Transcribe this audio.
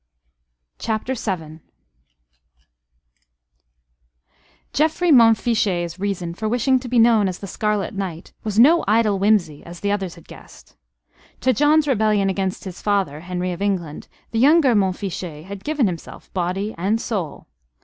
CHAPTER VII Geoffrey Montfichet's reason for wishing to be known as the Scarlet Knight was no idle whimsey, as the others had guessed. To John's rebellion against his father, Henry of England, the younger Montfichet had given himself body and soul.